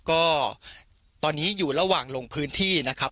ก็ตอนนี้อยู่ระหว่างลงพื้นที่นะครับ